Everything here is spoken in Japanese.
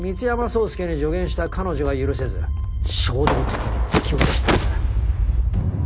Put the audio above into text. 宗介に助言した彼女が許せず衝動的に突き落としたんだ。